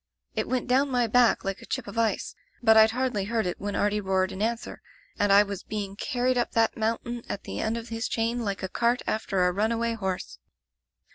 It went down my back like a chip of ice — ^but Pd hardly heard it when Artie roared in answer, and I was be ing carried up that mountain at the end of his chain like a cart after a runaway horse.